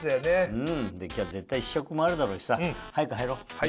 うんで今日は絶対試食もあるだろうしさ早く入ろうねっ。